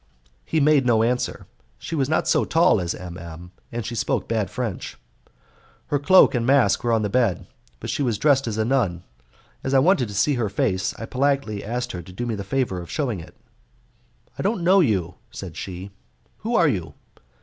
He made no answer. She was not so tall as M M , and she spoke bad French. Her cloak and mask were on the bed, but she was dressed as a nun. As I wanted to see her face, I politely asked her to do me the favour of shewing it. "I don't know you," said she; "who are you?"